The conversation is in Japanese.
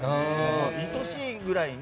いとおしいくらいに。